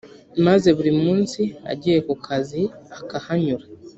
maze buri munsi agiye ku kazi akahanyura